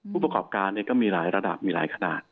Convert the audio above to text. ผู้ประกอบการก็มีหลายระดับมีหลายขนาด